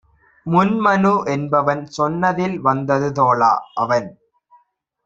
முன்-மனு என்பவன் சொன்னதில் வந்தது தோழா - அவன்